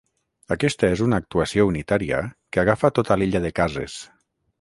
Aquesta és una actuació unitària que agafa tota l'illa de cases.